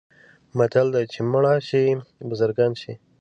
متل دی: چې مړه شي بزرګان شي.